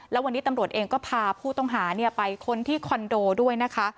แล้ววันนี้ตำรวจเองก็พาผู้ต้องหาไปค้นที่คอนโดด้วยนะคะ